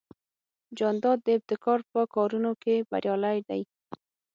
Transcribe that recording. جانداد د ابتکار په کارونو کې بریالی دی.